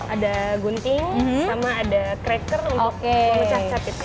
ada gunting sama ada cracker untuk memecah mecah kepiting